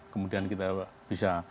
kemudian kita bisa